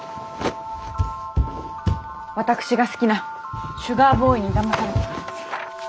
私が好きな「シュガーボーイに騙されて」から。